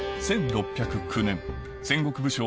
１６０９年戦国武将